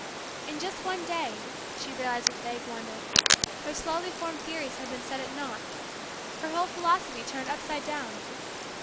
In just one day, she realized with vague wonder, her slowly formed theories had been set at naught, her whole philosophy turned upside down.